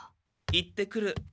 行ってくる。